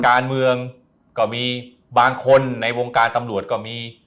การเมืองก็มีบางคนในวงการตำรวจก็มี